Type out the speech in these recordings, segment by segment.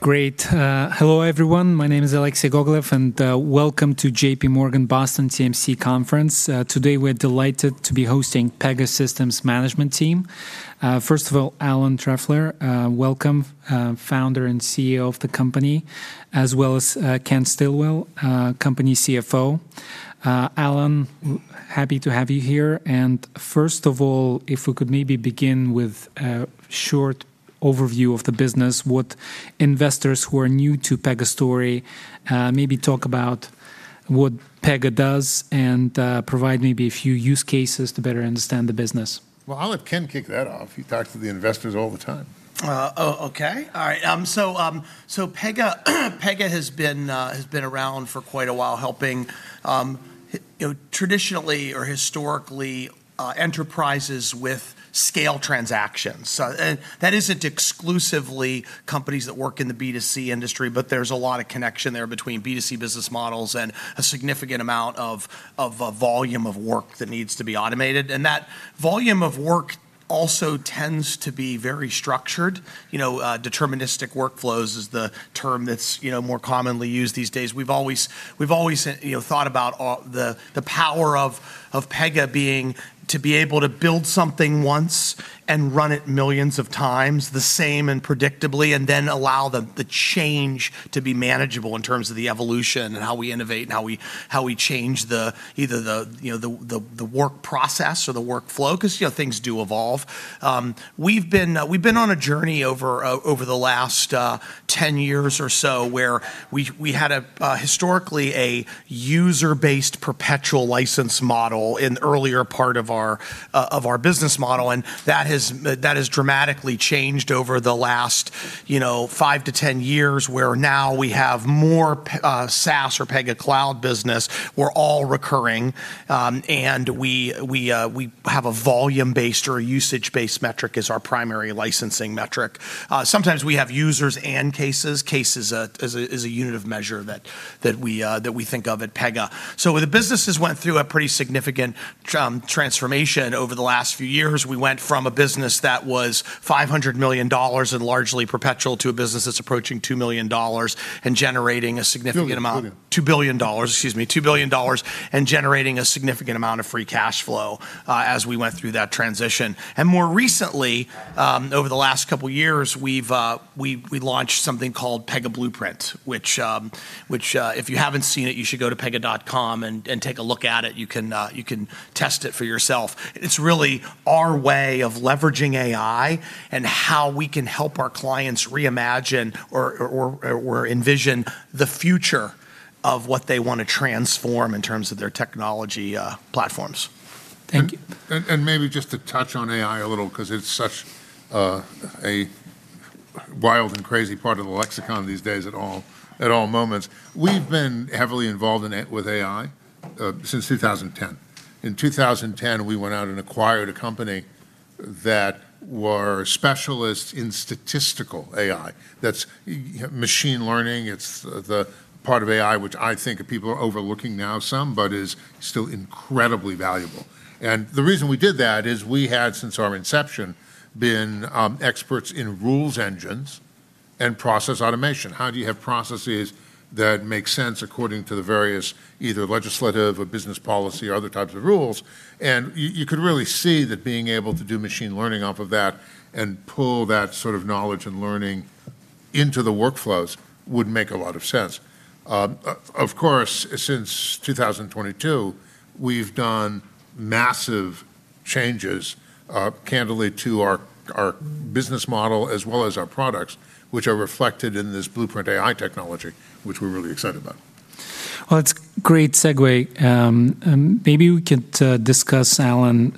Great. Hello everyone. My name is Alexei Gogolev, and welcome to JPMorgan Boston TMC Conference. Today we're delighted to be hosting Pegasystems management team. First of all, Alan Trefler, welcome, Founder and CEO of the company, as well as Ken Stillwell, company CFO. Alan, happy to have you here. First of all, if we could maybe begin with a short overview of the business. Would investors who are new to Pega story, maybe talk about what Pega does and provide maybe a few use cases to better understand the business. Well, I'll let Ken kick that off. He talks to the investors all the time. Okay. All right. Pega has been around for quite a while helping, you know, traditionally or historically, enterprises with scale transactions. That isn't exclusively companies that work in the B2C industry, but there's a lot of connection there between B2C business models and a significant amount of volume of work that needs to be automated. That volume of work also tends to be very structured. You know, deterministic workflows is the term that's, you know, more commonly used these days. We've always, you know, thought about all the power of Pega being to be able to build something once and run it millions of times the same and predictably, and then allow the change to be manageable in terms of the evolution and how we innovate, and how we, how we change the, either the, you know, the work process or the workflow. Because, you know, things do evolve. We've been on a journey over the last 10 years or so where we had a historically a user-based perpetual license model in earlier part of our business model. That has dramatically changed over the last, you know, 5-10 years, where now we have more SaaS or Pega Cloud business. We're all recurring. We have a volume-based or a usage-based metric as our primary licensing metric. Sometimes we have users and cases. Case is a unit of measure that we think of at Pega. The business has went through a pretty significant transformation over the last few years. We went from a business that was $500 million and largely perpetual to a business that's approaching $2 million and generating a significant amount. $2 billion. $2 billion, excuse me. $2 billion, generating a significant amount of free cash flow, as we went through that transition. More recently, over the last couple years, we've launched something called Pega Blueprint, which, if you haven't seen it, you should go to pega.com and take a look at it. You can test it for yourself. It's really our way of leveraging AI and how we can help our clients reimagine or envision the future of what they want to transform in terms of their technology platforms. Thank you. Maybe just to touch on AI a little, because it's such a wild and crazy part of the lexicon these days at all moments. We've been heavily involved with AI since 2010. In 2010, we went out and acquired a company that were specialists in statistical AI. That's machine learning. It's the part of AI which I think people are overlooking now some, but is still incredibly valuable. The reason we did that is we had, since our inception, been experts in rules engines and process automation. How do you have processes that make sense according to the various either legislative or business policy or other types of rules? You could really see that being able to do machine learning off of that and pull that sort of knowledge and learning into the workflows would make a lot of sense. Of course, since 2022, we've done massive changes, candidly to our business model as well as our products, which are reflected in this Blueprint AI technology, which we're really excited about. Well, that's great segue. maybe we could discuss, Alan.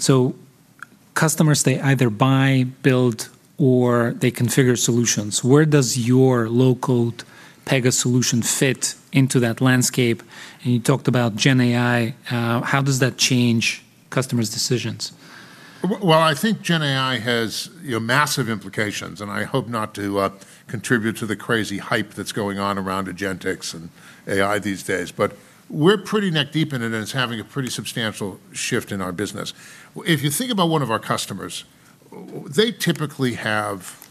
Customers, they either buy, build, or they configure solutions. Where does your low-code Pega solution fit into that landscape? You talked about GenAI. How does that change customers' decisions? Well, I think GenAI has, you know, massive implications, and I hope not to contribute to the crazy hype that's going on around agentics and AI these days. We're pretty neck-deep in it, and it's having a pretty substantial shift in our business. If you think about one of our customers, they typically have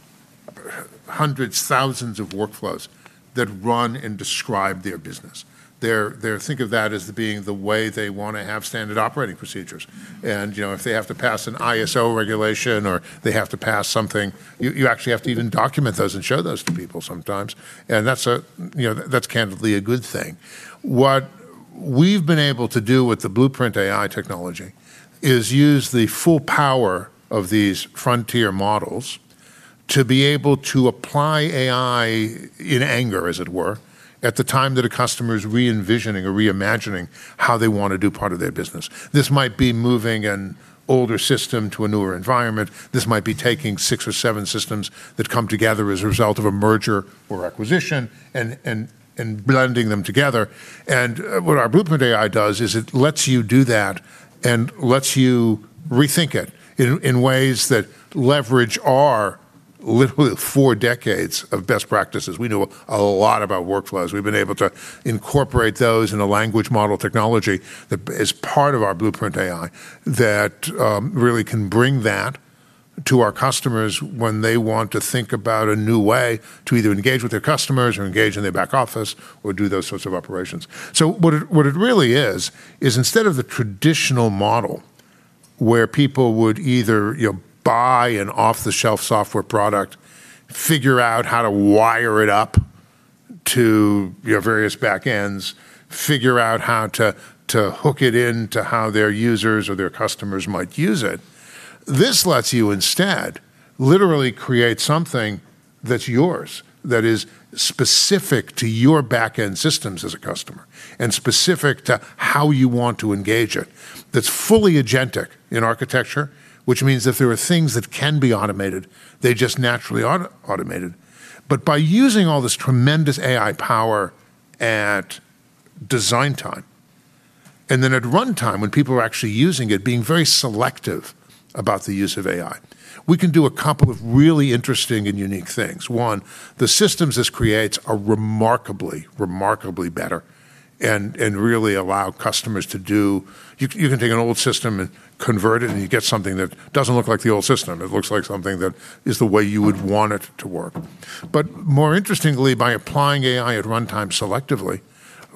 hundreds, thousands of workflows that run and describe their business. They're, think of that as being the way they want to have standard operating procedures. You know, if they have to pass an ISO regulation or they have to pass something, you actually have to even document those and show those to people sometimes. And that's a, you know, that's candidly a good thing. What we've been able to do with the Blueprint AI technology is use the full power of these frontier models to be able to apply AI in anger, as it were, at the time that a customer is re-envisioning or reimagining how they want to do part of their business. This might be moving an older system to a newer environment. This might be taking six or seven systems that come together as a result of a merger or acquisition and blending them together. What our Blueprint AI does is it lets you do that and lets you rethink it in ways that leverage our literally four decades of best practices. We know a lot about workflows. We've been able to incorporate those in a language model technology that as part of our Blueprint AI that really can bring that to our customers when they want to think about a new way to either engage with their customers or engage in their back office or do those sorts of operations. What it really is instead of the traditional model where people would either, you know, buy an off-the-shelf software product, figure out how to wire it up to, you know, various backends, figure out how to hook it into how their users or their customers might use it, this lets you instead literally create something that's yours, that is specific to your backend systems as a customer and specific to how you want to engage it. That's fully agentic in architecture, which means if there are things that can be automated, they just naturally automated. By using all this tremendous AI power at design time, and then at runtime when people are actually using it, being very selective about the use of AI, we can do a couple of really interesting and unique things. One, the systems this creates are remarkably better and really allow customers to do you can take an old system and convert it, and you get something that doesn't look like the old system. It looks like something that is the way you would want it to work. More interestingly, by applying AI at runtime selectively,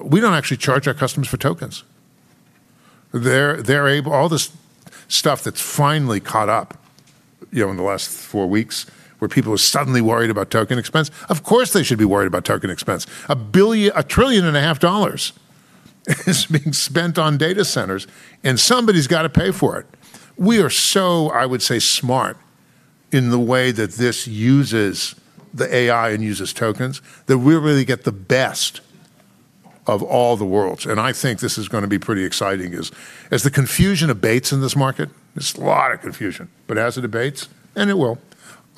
we don't actually charge our customers for tokens. They're able All this stuff that's finally caught up, you know, in the last four weeks, where people are suddenly worried about token expense. Of course, they should be worried about token expense. $1.5 trillion is being spent on data centers, and somebody's got to pay for it. We are so, I would say, smart in the way that this uses the AI and uses tokens that we really get the best of all the worlds, and I think this is gonna be pretty exciting is as the confusion abates in this market, there's a lot of confusion, but as it abates, and it will,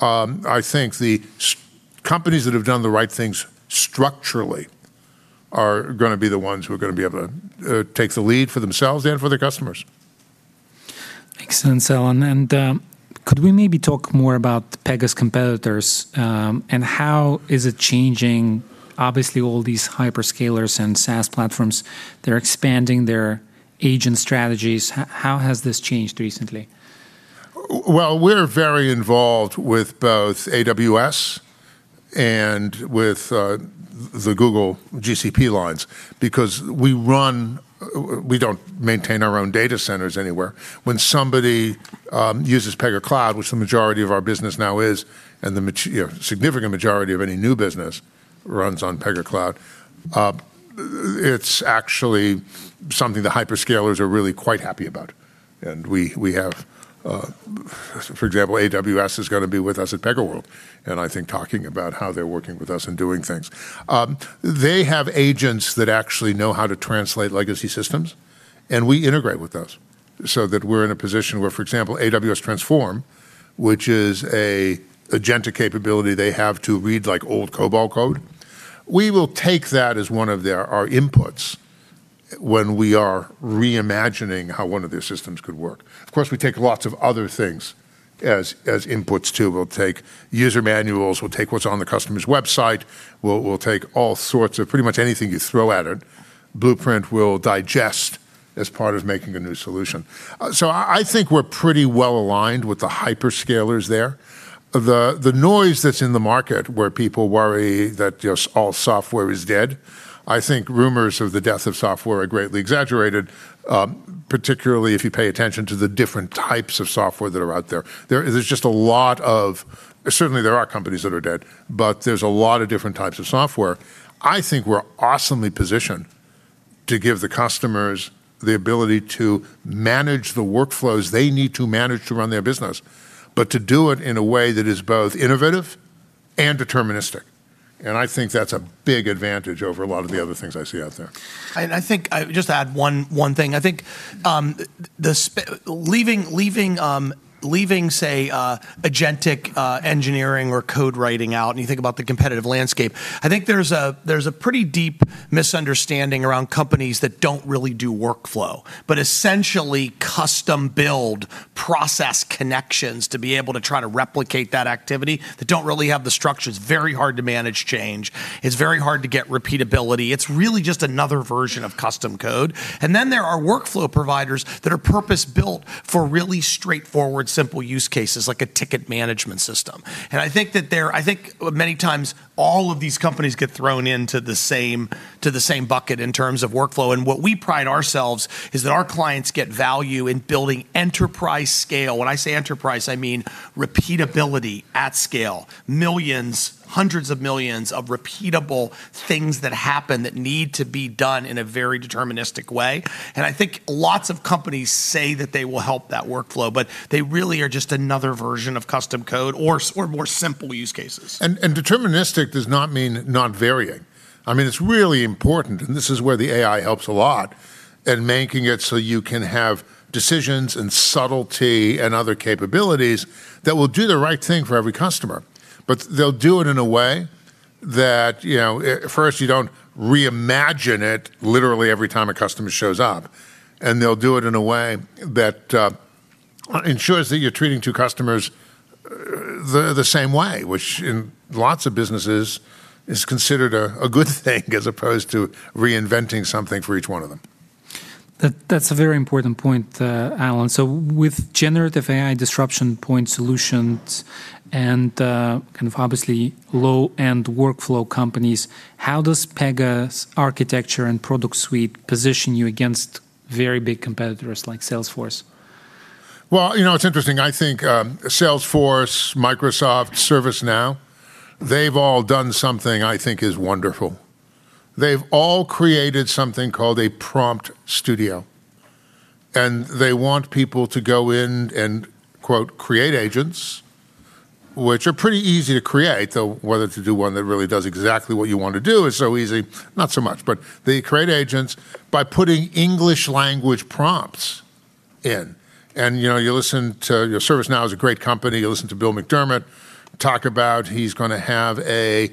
I think the companies that have done the right things structurally are gonna be the ones who are gonna be able to take the lead for themselves and for their customers. Excellent, Alan. Could we maybe talk more about Pega's competitors and how is it changing? Obviously, all these hyperscalers and SaaS platforms, they're expanding their agent strategies. How has this changed recently? Well, we're very involved with both AWS and with the Google GCP lines because we run, we don't maintain our own data centers anywhere. When somebody uses Pega Cloud, which the majority of our business now is, and the you know, significant majority of any new business runs on Pega Cloud, it's actually something the hyperscalers are really quite happy about. We have, for example, AWS is gonna be with us at PegaWorld, and I think talking about how they're working with us and doing things. They have agents that actually know how to translate legacy systems, and we integrate with those so that we're in a position where, for example, AWS Transform, which is a agentic capability they have to read like old COBOL code. We will take that as one of our inputs when we are reimagining how one of their systems could work. Of course, we take lots of other things as inputs too. We'll take user manuals. We'll take what's on the customer's website. We'll take all sorts of pretty much anything you throw at it. Blueprint will digest as part of making a new solution. I think we're pretty well aligned with the hyperscalers there. The noise that's in the market where people worry that all software is dead, I think rumors of the death of software are greatly exaggerated, particularly if you pay attention to the different types of software that are out there. There's just a lot of, certainly, there are companies that are dead, there's a lot of different types of software. I think we're awesomely positioned to give the customers the ability to manage the workflows they need to manage to run their business, but to do it in a way that is both innovative and deterministic, and I think that's a big advantage over a lot of the other things I see out there. I just add one thing. I think, leaving, say, agentic engineering or code writing out, and you think about the competitive landscape. I think there's a pretty deep misunderstanding around companies that don't really do workflow. Essentially custom build process connections to be able to try to replicate that activity, they don't really have the structures, very hard to manage change, it's very hard to get repeatability, it's really just another version of custom code. Then there are workflow providers that are purpose-built for really straightforward, simple use cases like a ticket management system. I think many times all of these companies get thrown into the same bucket in terms of workflow. What we pride ourselves is that our clients get value in building enterprise scale. When I say enterprise, I mean repeatability at scale. Millions, hundreds of millions of repeatable things that happen that need to be done in a very deterministic way. I think lots of companies say that they will help that workflow, but they really are just another version of custom code or more simple use cases. Deterministic does not mean not varying. I mean, it's really important, and this is where the AI helps a lot in making it so you can have decisions and subtlety and other capabilities that will do the right thing for every customer. They'll do it in a way that, you know, at first you don't reimagine it literally every time a customer shows up. They'll do it in a way that ensures that you're treating two customers the same way, which in lots of businesses is considered a good thing as opposed to reinventing something for each one of them. That's a very important point, Alan. With generative AI disruption point solutions and obviously low-end workflow companies, how does Pega's architecture and product suite position you against very big competitors like Salesforce? You know, it's interesting. I think Salesforce, Microsoft, ServiceNow, they've all done something I think is wonderful. They've all created something called a prompt studio, they want people to go in and, quote, create agents, which are pretty easy to create, though whether to do one that really does exactly what you want to do is so easy, not so much. They create agents by putting English language prompts in. You know, you listen to ServiceNow is a great company. You listen to Bill McDermott talk about he's gonna have a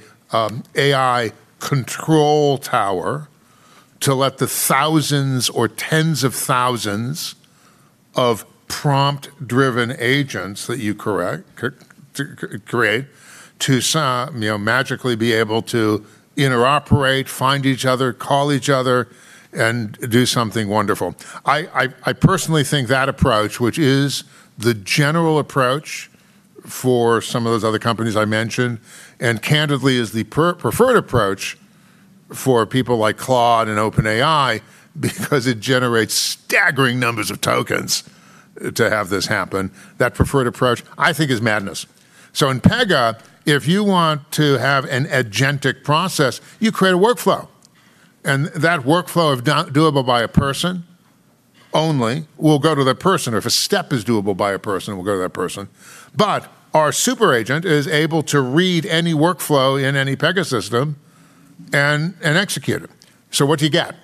AI control tower to let the thousands or tens of thousands of prompt-driven agents that you create magically be able to interoperate, find each other, call each other, and do something wonderful. I personally think that approach, which is the general approach for some of those other companies I mentioned, and candidly is the preferred approach for people like Claude and OpenAI because it generates staggering numbers of tokens to have this happen. That preferred approach, I think, is madness. In Pega, if you want to have an agentic process, you create a workflow, and that workflow, if doable by a person only, will go to that person, or if a step is doable by a person, will go to that person. Our super-agent is able to read any workflow in any Pega system and execute it. What do you get?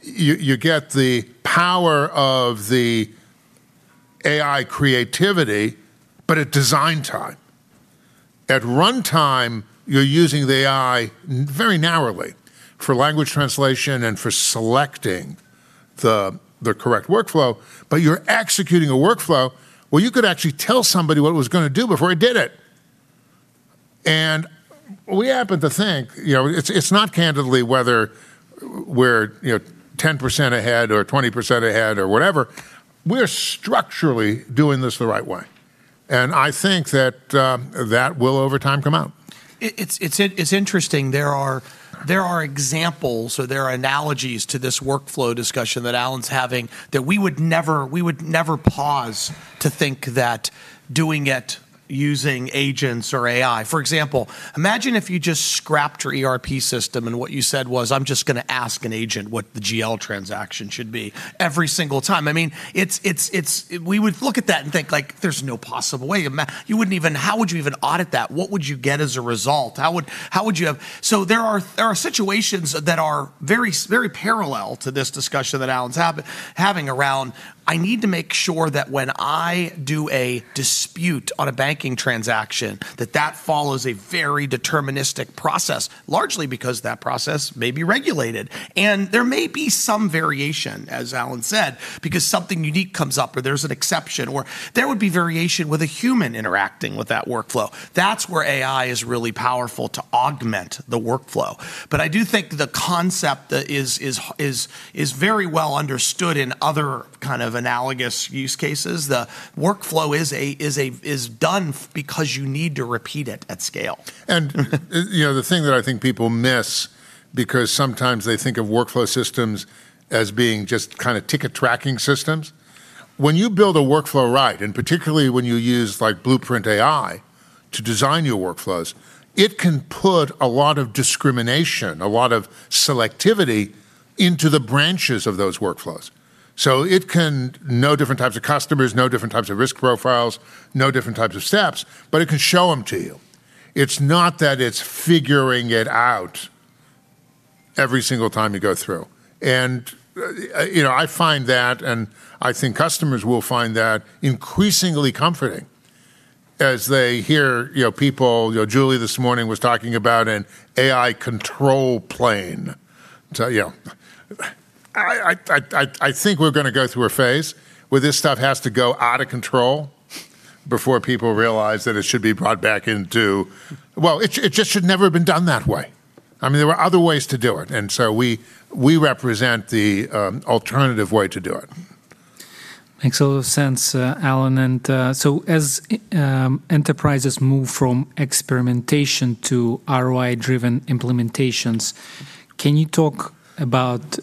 You get the power of the AI creativity, but at design time. At runtime, you're using the AI very narrowly for language translation and for selecting the correct workflow, but you're executing a workflow where you could actually tell somebody what it was gonna do before it did it. We happen to think, you know, it's not candidly whether we're, you know, 10% ahead or 20% ahead or whatever. We're structurally doing this the right way, and I think that will over time come out. It's interesting. There are examples or there are analogies to this workflow discussion that Alan's having that we would never pause to think that doing it using agents or AI. For example, imagine if you just scrapped your ERP system and what you said was, "I'm just gonna ask an agent what the GL transaction should be every single time." I mean, it's. We would look at that and think, like, there's no possible way. You wouldn't even. How would you even audit that? What would you get as a result? There are situations that are very parallel to this discussion that Alan's having around, I need to make sure that when I do a dispute on a banking transaction, that follows a very deterministic process, largely because that process may be regulated. There may be some variation, as Alan said, because something unique comes up or there's an exception, or there would be variation with a human interacting with that workflow. That's where AI is really powerful to augment the workflow. I do think the concept is very well understood in other kind of analogous use cases. The workflow is done because you need to repeat it at scale. You know, the thing that I think people miss because sometimes they think of workflow systems as being just kind of ticket tracking systems. When you build a workflow right, and particularly when you use like Blueprint AI to design your workflows, it can put a lot of discrimination, a lot of selectivity into the branches of those workflows. It can know different types of customers, know different types of risk profiles, know different types of steps, but it can show them to you. It's not that it's figuring it out every single time you go through. You know, I find that, and I think customers will find that increasingly comforting as they hear, you know, people, you know, Julie this morning was talking about an AI control plane. You know, I think we're gonna go through a phase where this stuff has to go out of control before people realize. Well, it just should never have been done that way. I mean, there were other ways to do it. We represent the alternative way to do it. Makes a lot of sense, Alan. As enterprises move from experimentation to ROI-driven implementations, can you talk about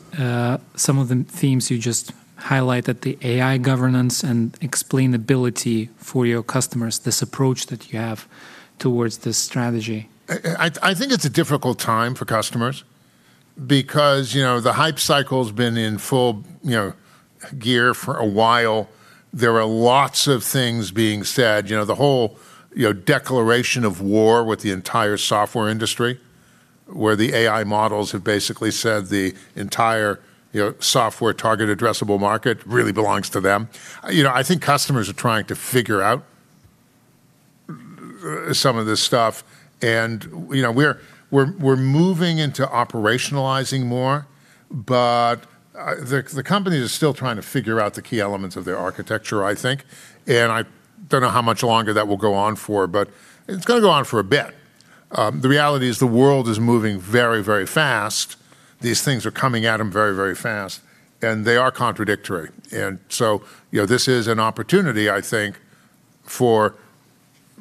some of the themes you just highlighted, the AI governance and explainability for your customers, this approach that you have towards this strategy? I think it's a difficult time for customers because, you know, the hype cycle's been in full, you know, gear for a while. There are lots of things being said. The whole, you know, declaration of war with the entire software industry, where the AI models have basically said the entire, you know, software target addressable market really belongs to them. You know, I think customers are trying to figure out some of this stuff and, you know, we're moving into operationalizing more, but the company is still trying to figure out the key elements of their architecture, I think. I don't know how much longer that will go on for, but it's gonna go on for a bit. The reality is the world is moving very, very fast. These things are coming at them very, very fast, and they are contradictory. You know, this is an opportunity, I think, for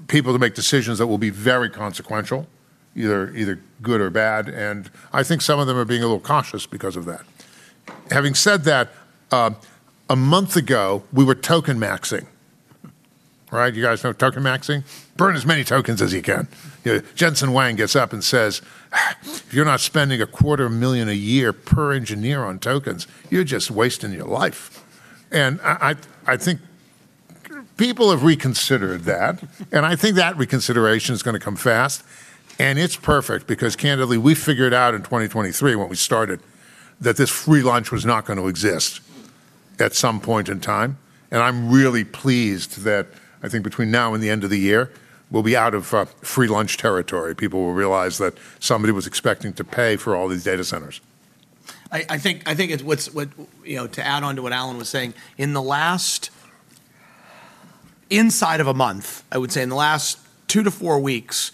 people to make decisions that will be very consequential, either good or bad. I think some of them are being a little cautious because of that. Having said that, a month ago, we were token maxing, right? You guys know what token maxing? Burn as many tokens as you can. You know, Jensen Huang gets up and says, "If you're not spending a quarter of a million a year per engineer on tokens, you're just wasting your life." I think people have reconsidered that, and I think that reconsideration is gonna come fast. It's perfect because candidly, we figured out in 2023 when we started that this free lunch was not gonna exist at some point in time. I'm really pleased that I think between now and the end of the year, we'll be out of free lunch territory. People will realize that somebody was expecting to pay for all these data centers. I think You know, to add on to what Alan was saying, Inside of a month, I would say in the last two to four weeks,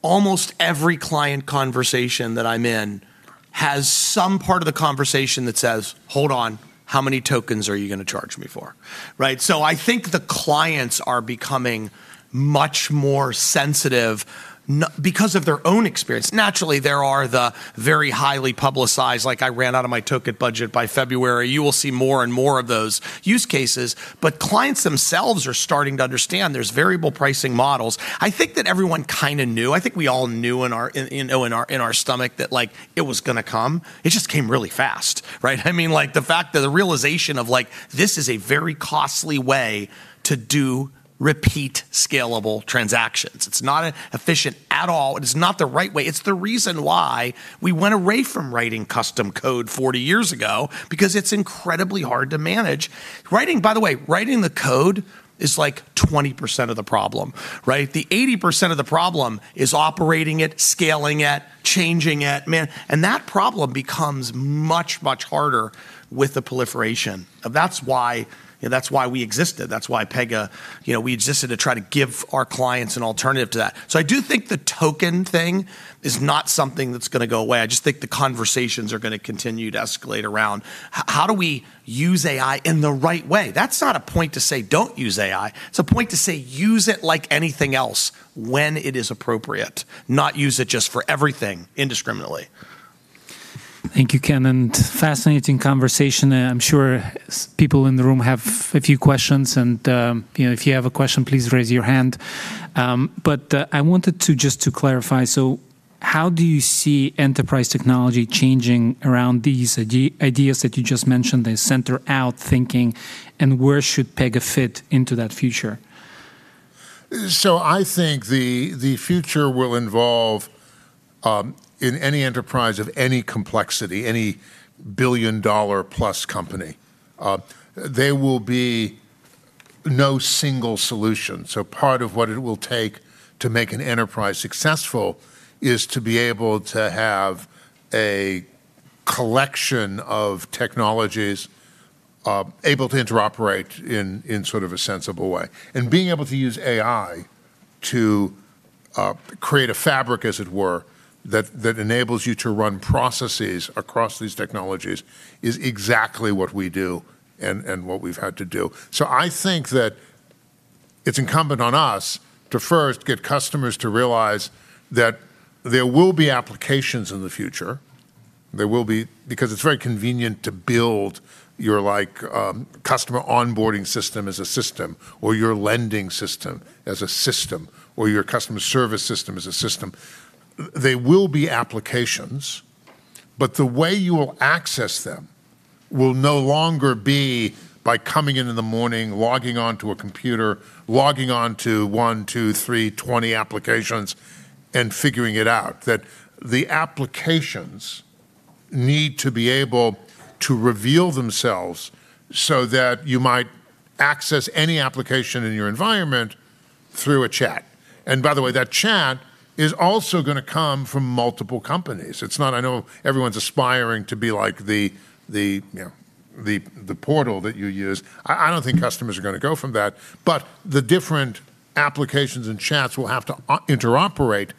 almost every client conversation that I'm in has some part of the conversation that says, hold on, how many tokens are you going to charge me for? Right? I think the clients are becoming much more sensitive because of their own experience. Naturally, there are the very highly publicized, like, I ran out of my token budget by February. You will see more and more of those use cases. Clients themselves are starting to understand there's variable pricing models. I think that everyone kind of knew. I think we all knew in our, you know, in our stomach that, like, it was going to come. It just came really fast, right? The fact that the realization of, this is a very costly way to do repeat scalable transactions. It's not efficient at all, and it's not the right way. It's the reason why we went away from writing custom code 40 years ago, because it's incredibly hard to manage. Writing, by the way, writing the code is, 20% of the problem, right? The 80% of the problem is operating it, scaling it, changing it, man. That problem becomes much, much harder with the proliferation. That's why, that's why we existed. That's why Pega, we existed to try to give our clients an alternative to that. I do think the token thing is not something that's gonna go away. I just think the conversations are gonna continue to escalate around how do we use AI in the right way? That's not a point to say don't use AI. It's a point to say use it like anything else when it is appropriate, not use it just for everything indiscriminately. Thank you, Ken, and fascinating conversation. I'm sure people in the room have a few questions and, you know, if you have a question, please raise your hand. I wanted to just to clarify, how do you see enterprise technology changing around these ideas that you just mentioned, the Center-Out thinking, and where should Pega fit into that future? I think the future will involve, in any enterprise of any complexity, any $1 billion+ company, there will be no single solution. Part of what it will take to make an enterprise successful is to be able to have a collection of technologies, able to interoperate in sort of a sensible way. Being able to use AI to create a fabric, as it were, that enables you to run processes across these technologies is exactly what we do and what we've had to do. I think that it's incumbent on us to first get customers to realize that there will be applications in the future because it's very convenient to build your, like, customer onboarding system as a system or your lending system as a system or your customer service system as a system. They will be applications, the way you will access them will no longer be by coming in the morning, logging on to a computer, logging on to one, two, three, 20 applications and figuring it out. The applications need to be able to reveal themselves so that you might access any application in your environment through a chat. By the way, that chat is also gonna come from multiple companies. It's not I know everyone's aspiring to be like the, you know, the portal that you use. I don't think customers are gonna go from that. The different applications and chats will have to interoperate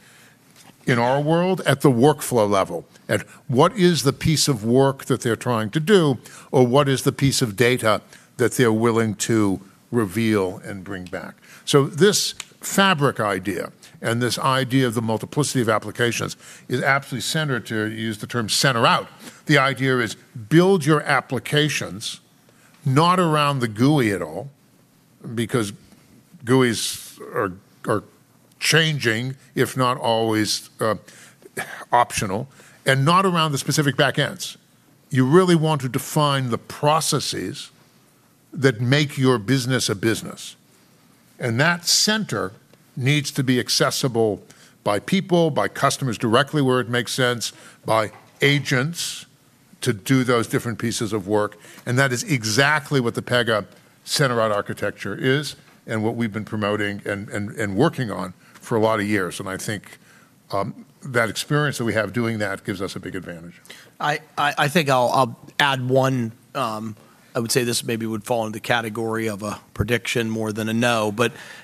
in our world at the workflow level. At what is the piece of work that they're trying to do or what is the piece of data that they're willing to reveal and bring back. This fabric idea and this idea of the multiplicity of applications is absolutely centered to use the term Center-Out. The idea is build your applications not around the GUI at all, because GUIs are changing, if not always, optional, and not around the specific back ends. You really want to define the processes that make your business a business, and that center needs to be accessible by people, by customers directly where it makes sense, by agents to do those different pieces of work, and that is exactly what the Pega Center-Out architecture is and what we've been promoting and working on for a lot of years. The experience that we have doing that gives us a big advantage. I think I'll add one. I would say this maybe would fall into the category of a prediction more than a know.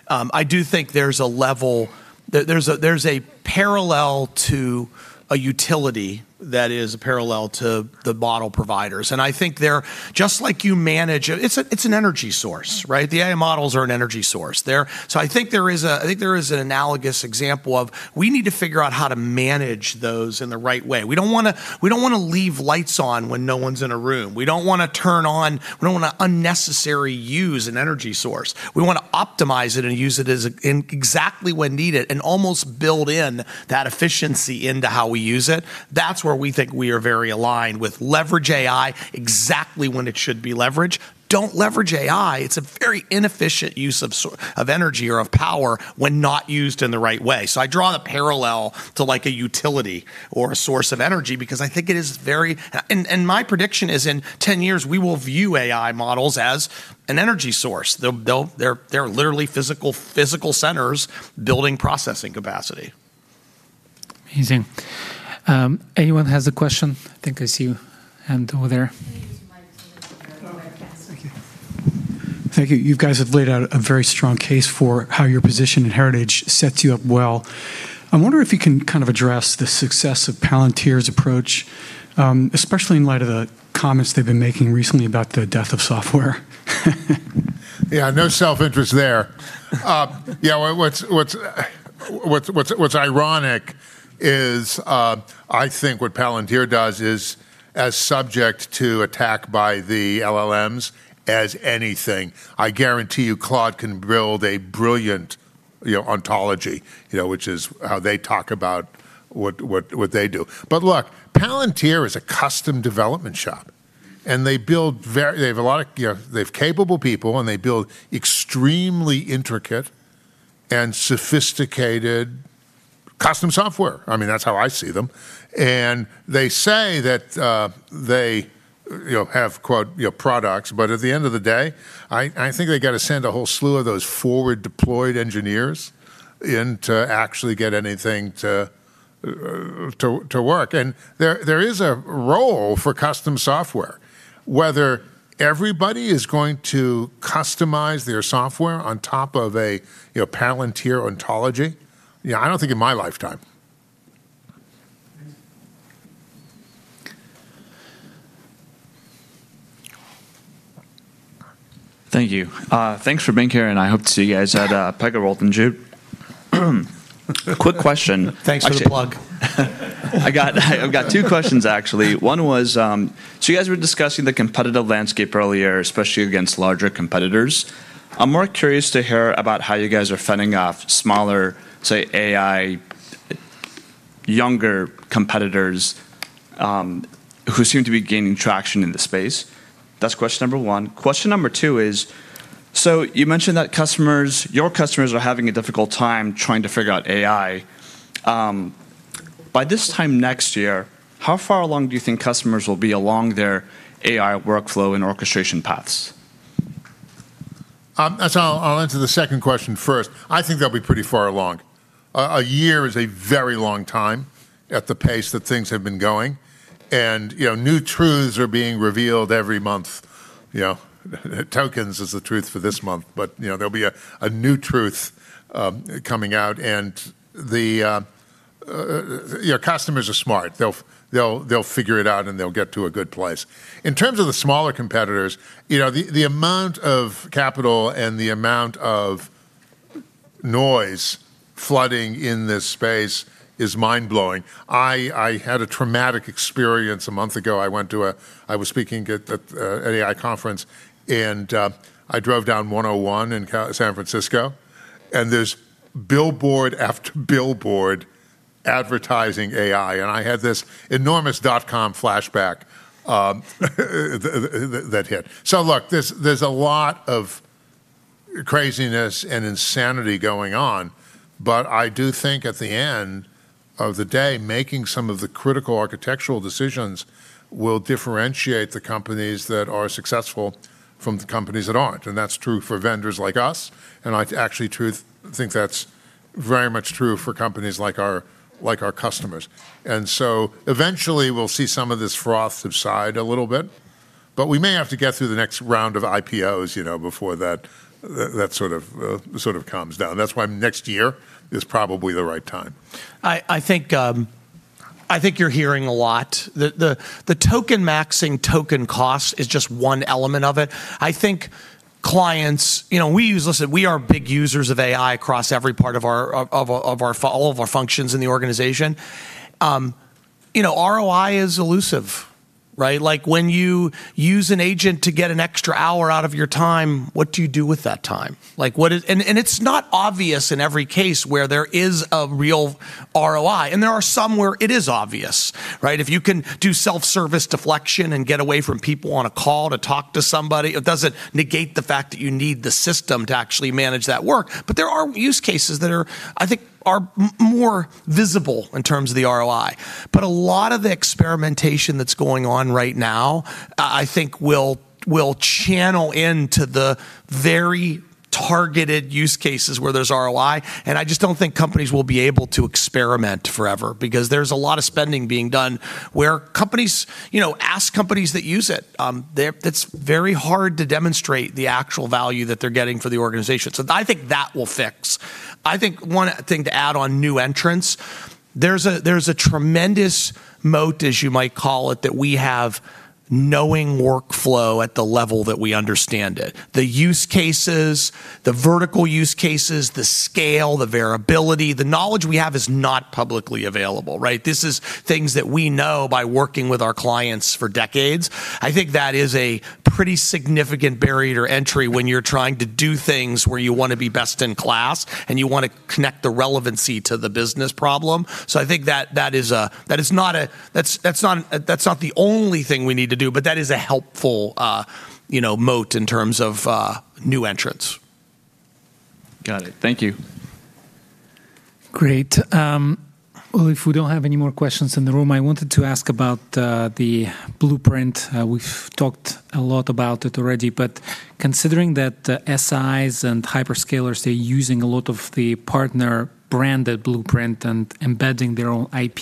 I do think there's a level, there's a parallel to a utility that is a parallel to the model providers. I think they're just like you manage, it's an energy source, right? The AI models are an energy source. I think there is an analogous example of we need to figure out how to manage those in the right way. We don't wanna leave lights on when no one's in a room. We don't wanna unnecessary use an energy source. We wanna optimize it and use it as a in exactly when needed, and almost build in that efficiency into how we use it. That's where we think we are very aligned with leverage AI exactly when it should be leveraged. Don't leverage AI. It's a very inefficient use of energy or of power when not used in the right way. I draw the parallel to, like, a utility or a source of energy because I think it is very, and my prediction is in 10 years we will view AI models as an energy source. They're literally physical centers building processing capacity. Amazing. Anyone has a question? I think I see you, `hand over there. Thank you. You guys have laid out a very strong case for how your position in heritage sets you up well. I wonder if you can kind of address the success of Palantir's approach, especially in light of the comments they've been making recently about the death of software. Yeah, no self-interest there. What's ironic is, I think what Palantir does is as subject to attack by the LLMs as anything. I guarantee you Claude can build a brilliant, you know, ontology, you know, which is how they talk about what they do. Look, Palantir is a custom development shop, and they have a lot of, you know, they have capable people, and they build extremely intricate and sophisticated custom software. I mean, that's how I see them. They say that, they, you know, have, quote, products, but the end of the day, I think they gotta send a whole slew of those forward deployed engineers in to actually get anything to work. There is a role for custom software. Whether everybody is going to customize their software on top of a, you know, Palantir ontology, you know, I don't think in my lifetime. Thank you Thank you. Thanks for being here, and I hope to see you guys at PegaWorld in June. Quick question. Thanks for the plug. I've got two questions, actually. One was, you guys were discussing the competitive landscape earlier, especially against larger competitors. I'm more curious to hear about how you guys are fending off smaller, say, AI, younger competitors, who seem to be gaining traction in the space. That's question number one. Question number two is, you mentioned that customers, your customers are having a difficult time trying to figure out AI. By this time next year, how far along do you think customers will be along their AI workflow and orchestration paths? That's I'll answer the second question first. I think they'll be pretty far along. A year is a very long time at the pace that things have been going. You know, new truths are being revealed every month. You know, tokens is the truth for this month. You know, there'll be a new truth coming out. You know, customers are smart. They'll figure it out, and they'll get to a good place. In terms of the smaller competitors, you know, the amount of capital and the amount of noise flooding in this space is mind-blowing. I had a traumatic experience a month ago. I was speaking at an AI conference, and I drove down 101 in San Francisco, and there's billboard after billboard advertising AI. I had this enormous dotcom flashback that hit. Look, there's a lot of craziness and insanity going on. I do think at the end of the day, making some of the critical architectural decisions will differentiate the companies that are successful from the companies that aren't. That's true for vendors like us, and I actually think that's very much true for companies like our customers. Eventually we'll see some of this froth subside a little bit, but we may have to get through the next round of IPOs, you know, before that sort of calms down. That's why next year is probably the right time. I think you're hearing a lot. The token maxing token cost is just one element of it. I think clients, you know, we use, listen, we are big users of AI across every part of all of our functions in the organization. You know, ROI is elusive, right? Like, when you use an agent to get an extra hour out of your time, what do you do with that time? Like, what is, and it's not obvious in every case where there is a real ROI. There are some where it is obvious, right? If you can do self-service deflection and get away from people on a call to talk to somebody, it doesn't negate the fact that you need the system to actually manage that work. There are use cases that, I think, are more visible in terms of the ROI. A lot of the experimentation that's going on right now, I think will channel into the very targeted use cases where there's ROI, and I just don't think companies will be able to experiment forever because there's a lot of spending being done where companies, you know, ask companies that use it. It's very hard to demonstrate the actual value that they're getting for the organization. I think that will fix. I think one thing to add on new entrants, there's a, there's a tremendous moat, as you might call it, that we have knowing workflow at the level that we understand it. The use cases, the vertical use cases, the scale, the variability, the knowledge we have is not publicly available, right? This is things that we know by working with our clients for decades. I think that is a pretty significant barrier to entry when you're trying to do things where you want to be best in class and you want to connect the relevancy to the business problem. I think that's not the only thing we need to do, but that is a helpful, you know, moat in terms of new entrants. Got it. Thank you. Great. Well, if we don't have any more questions in the room, I wanted to ask about the Blueprint. We've talked a lot about it already, but considering that the SIs and hyperscalers, they're using a lot of the partner-branded Blueprint and embedding their own IP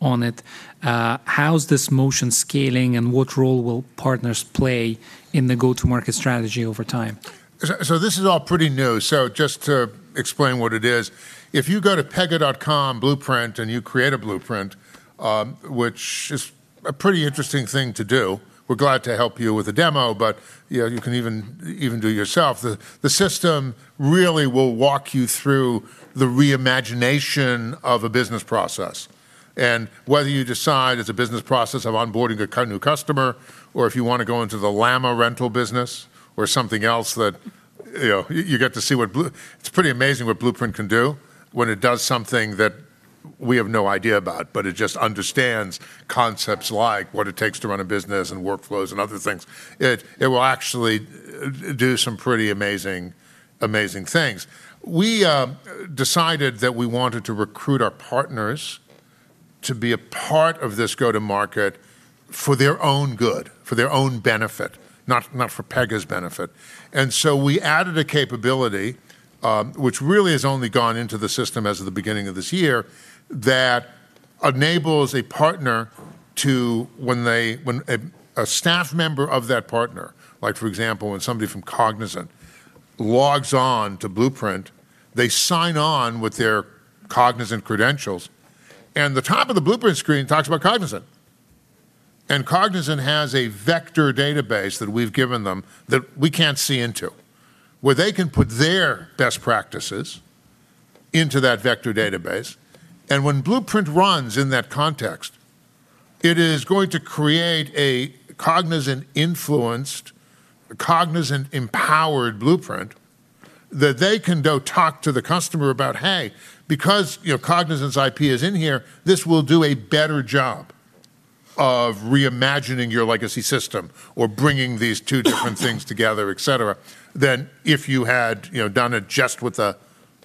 on it, how's this motion scaling, and what role will partners play in the go-to-market strategy over time? This is all pretty new, so just to explain what it is. If you go to pega.com Blueprint and you create a Blueprint, which is a pretty interesting thing to do. We're glad to help you with a demo, you know, you can even do it yourself. The system really will walk you through the reimagination of a business process. Whether you decide it's a business process of onboarding a new customer or if you want to go into the llama rental business or something else that, you know, you get to see. It's pretty amazing what Blueprint can do when it does something that we have no idea about, but it just understands concepts like what it takes to run a business and workflows and other things. It will actually do some pretty amazing things. We decided that we wanted to recruit our partners to be a part of this go-to-market for their own good, for their own benefit, not for Pega's benefit. We added a capability, which really has only gone into the system as of the beginning of this year, that enables a partner to, when a staff member of that partner, like for example, when somebody from Cognizant logs on to Blueprint, they sign on with their Cognizant credentials, and the top of the Blueprint screen talks about Cognizant. Cognizant has a vector database that we've given them that we can't see into, where they can put their best practices into that vector database. When Blueprint runs in that context, it is going to create a Cognizant-influenced, Cognizant-empowered blueprint that they can go talk to the customer about, hey, because, you know, Cognizant's IP is in here, this will do a better job of reimagining your legacy system or bringing these two different things together, et cetera, than if you had, you know, done it just with the,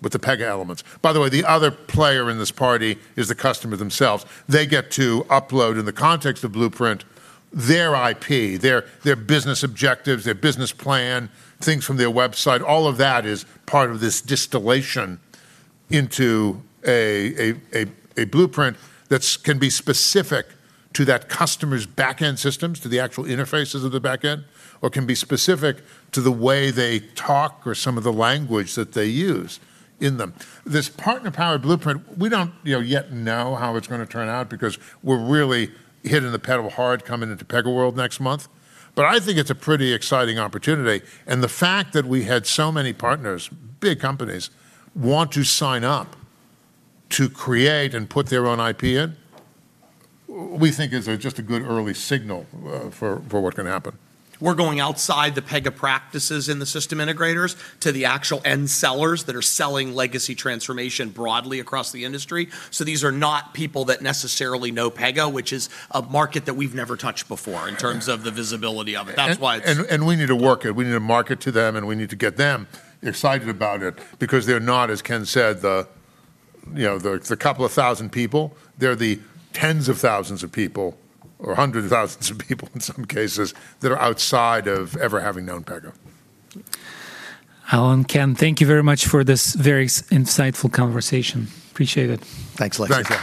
with the Pega elements. By the way, the other player in this party is the customer themselves. They get to upload, in the context of Blueprint, their IP, their business objectives, their business plan, things from their website. All of that is part of this distillation into a Blueprint that can be specific to that customer's backend systems, to the actual interfaces of the backend, or can be specific to the way they talk or some of the language that they use in them. This partner-powered Blueprint, we don't, you know, yet know how it's gonna turn out because we're really hitting the pedal hard coming into PegaWorld next month. I think it's a pretty exciting opportunity, and the fact that we had so many partners, big companies, want to sign up to create and put their own IP in, we think is a good early signal for what can happen. We're going outside the Pega practices in the system integrators to the actual end sellers that are selling legacy transformation broadly across the industry. These are not people that necessarily know Pega, which is a market that we've never touched before in terms of the visibility of it. We need to work it. We need to market to them, and we need to get them excited about it because they're not, as Ken said, the, you know, the couple of 1,000 people. They're the tens of thousands of people or hundreds of thousands of people in some cases that are outside of ever having known Pega. Alan, Ken, thank you very much for this very insightful conversation. Appreciate it. Thanks, Alexei. Thank you.